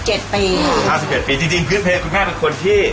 จริงพื้นเพชรคุณแม่เป็นคนที่